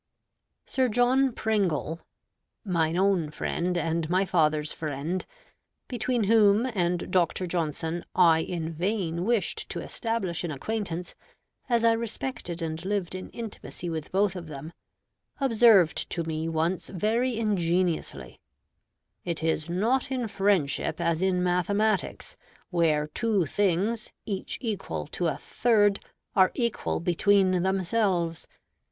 Sir John Pringle, "mine own friend and my father's friend," between whom and Dr. Johnson I in vain wished to establish an acquaintance, as I respected and lived in intimacy with both of them, observed to me once very ingeniously, "It is not in friendship as in mathematics, where two things, each equal to a third, are equal between themselves.